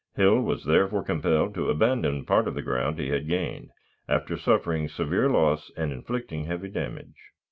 Hill was therefore compelled to abandon part of the ground he had gained, after suffering severe loss and inflicting heavy damage.